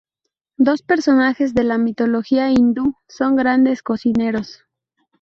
Dos personajes de la mitología hindú son grandes cocineros.